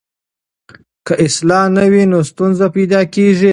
که اصلاح نه وي نو ستونزه پیدا کېږي.